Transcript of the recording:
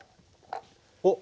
おっ！